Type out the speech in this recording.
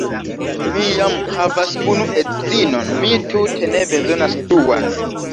Mi jam havas unu edzinon, mi tute ne bezonas duan.